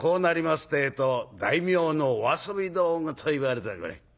ってえと大名のお遊び道具といわれたぐらい。